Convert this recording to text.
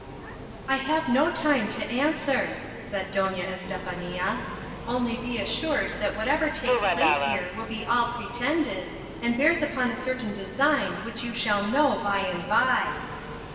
"I have no time to answer," said Doña Estefania; "only be assured that whatever takes place here will be all pretended, and bears upon a certain design which you shall know by and by."